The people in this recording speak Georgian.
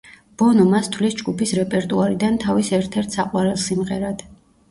ბონო მას თვლის ჯგუფის რეპერტუარიდან თავის ერთ-ერთ საყვარელ სიმღერად.